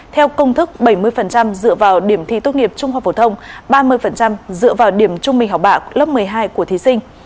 theo công thức bảy mươi dựa vào điểm thi tốt nghiệp trung học phổ thông ba mươi dựa vào điểm trung bình học bạ lớp một mươi hai của thí sinh